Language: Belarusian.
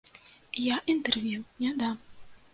Я інтэрв'ю не дам.